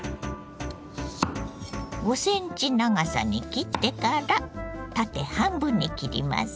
５センチ長さに切ってから縦半分に切ります。